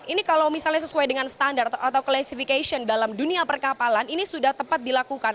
ini kalau misalnya sesuai dengan standar atau classification dalam dunia perkapalan ini sudah tepat dilakukan